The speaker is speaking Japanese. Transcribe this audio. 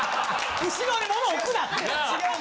後ろに物置くなって。